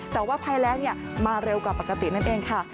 แต่ว่าภัยแรงมาเร็วกว่าปกตินั่นเองค่ะ